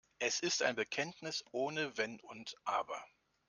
Es ist ein Bekenntnis ohne Wenn und Aber.